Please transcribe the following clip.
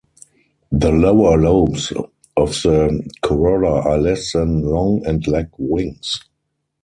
The lower lobes of the corolla are less than long and lack wings.